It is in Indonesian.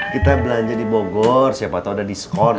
kita belanja di bogor siapa tau ada diskon